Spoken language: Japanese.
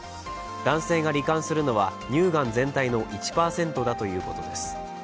男性がり患するのは乳がん全体の１％程度だということです。